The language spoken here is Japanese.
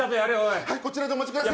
こちらでお待ちください。